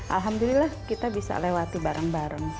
alhamdulillah kita bisa lewati bareng bareng